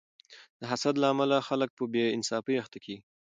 د حسد له امله خلک په بې انصافۍ اخته کیږي.